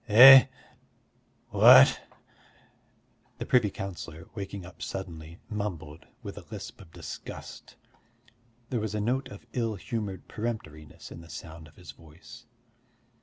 "Eh? What?" the privy councillor, waking up suddenly, mumbled, with a lisp of disgust. There was a note of ill humoured peremptoriness in the sound of his voice.